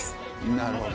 なるほどね。